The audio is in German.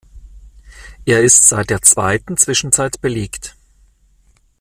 Er ist seit der zweiten Zwischenzeit belegt.